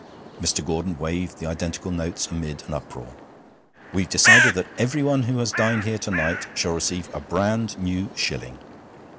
Mr. Gordon waved the identical notes amid an uproar. 'We've decided that everyone who has dined here to night shall receive a brand new shilling.